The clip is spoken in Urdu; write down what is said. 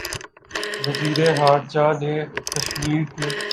وزیر خارجہ نے کشمیر کے